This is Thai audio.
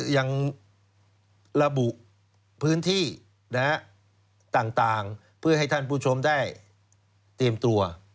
ยังระบุพื้นที่ต่างเพื่อให้ท่านผู้ชมได้เตรียมตัว